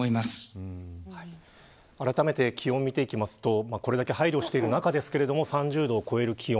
あらためて気温を見ていきますとこれだけ配慮をしている中ですが３０度を超える気温。